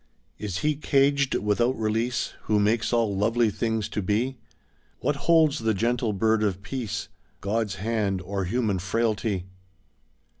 Is he caged without release Who makes all lovely things to be? What holds the gentle bird of Peace, God's hand, or human frailty?